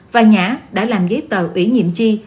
và nhã đã làm giấy tờ ủy nhiệm chi